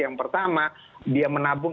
yang pertama dia menabung